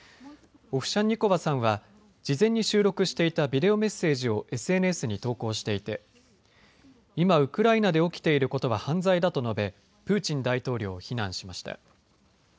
オフシャンニコワさんは、事前に収録していたビデオメッセージをＳＮＳに投稿していて今、ウクライナで起きていることは犯罪だと述べプーチン大統領を非難しました。